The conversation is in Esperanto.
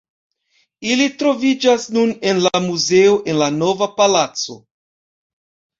Ili troviĝas nun en la muzeo en la Nova Palaco.